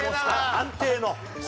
安定のね。